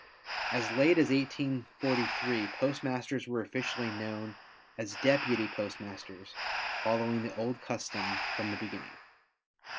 As late as 1843, postmasters were officially known as "Deputy" postmasters following the old custom from the beginning.